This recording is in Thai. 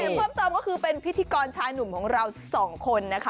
เพิ่มเติมก็คือเป็นพิธีกรชายหนุ่มของเราสองคนนะคะ